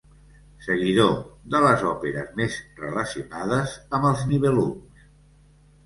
Seguidor de les òperes més relacionades amb els Nibelungs.